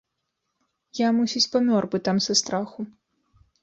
Я, мусіць, памёр бы там са страху.